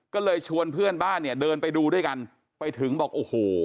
ก็เลยชวนเพื่อนบ้านเนี่ยเดินไปดูด้วยกันไปถึงบอกโอ้โห